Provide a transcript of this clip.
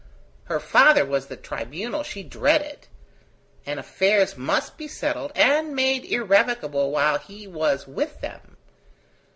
Her father was the tribunal she dreaded, and affairs must be settled and made irrevocable while he was with them.